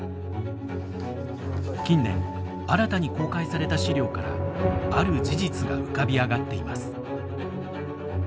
近年新たに公開された資料からある事実が浮かび上がっています。